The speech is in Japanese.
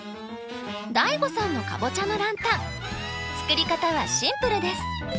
ＤＡＩＧＯさんのカボチャのランタン作り方はシンプルです。